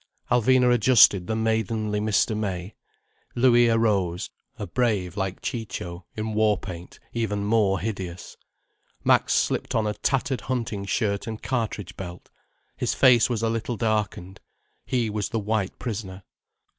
Alvina adjusted the maidenly Mr. May. Louis arose, a brave like Ciccio, in war paint even more hideous. Max slipped on a tattered hunting shirt and cartridge belt. His face was a little darkened. He was the white prisoner.